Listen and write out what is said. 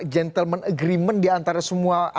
gentleman agreement diantara semua